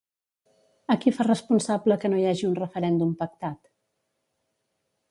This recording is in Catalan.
A qui fa responsable que no hi hagi un referèndum pactat?